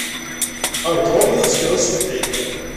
Ṛju arma d azekka taṣebḥit.